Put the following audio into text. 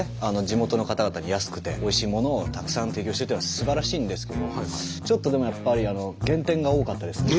地元の方々に安くておいしいものをたくさん提供してっていうのはすばらしいんですけどちょっとでもやっぱり減点！